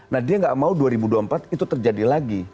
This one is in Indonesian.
nah dia gak mau dua ribu dua puluh empat itu terjadi lagi